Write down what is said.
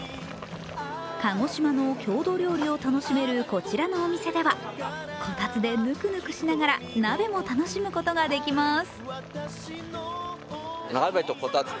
鹿児島の郷土料理を楽しめるこちらのお店ではこたつでぬくぬくしながら鍋も楽しむことができます。